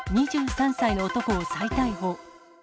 ２３歳の男を再逮捕。